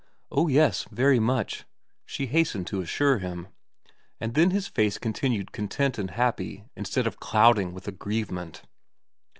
' Oh yes very much !' she hastened to assure him ; and then his face continued content and happy instead of clouding with aggrieve ment.